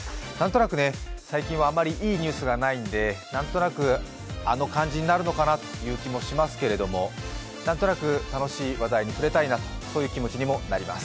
最近はあまりいいニュースがないので、何となく、あの感じになるのかなっていう感じはしますけれども何となく楽しい話題に触れたいなという気持ちにもなります。